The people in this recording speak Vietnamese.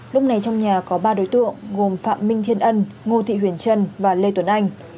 lúc này trong nhà có ba đối tượng gồm phạm minh thiên ân ngô thị huyền trân và lê tuấn anh